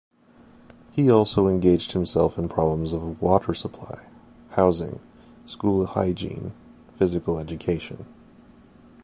He also engaged himself in problems of water supply, housing, school hygiene, physical education.